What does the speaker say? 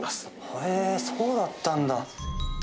へえそうだったんだ。